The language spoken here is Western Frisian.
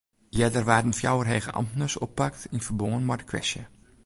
Earder waarden fjouwer hege amtners oppakt yn ferbân mei de kwestje.